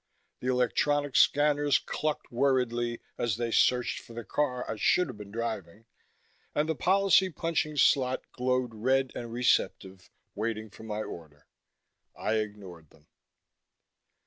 The electronic scanners clucked worriedly, as they searched for the car I should have been driving, and the policy punching slot glowed red and receptive, waiting for my order. I ignored them.